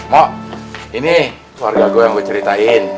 mok ini keluarga gue yang gue ceritain